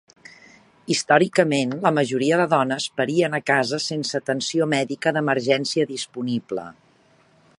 Històricament, la majoria de dones parien a casa sense atenció mèdica d'emergència disponible.